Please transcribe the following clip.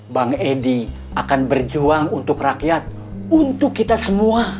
bang edi akan berjuang untuk rakyat untuk kita semua